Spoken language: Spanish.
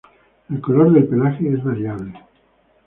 El color del pelaje es variable.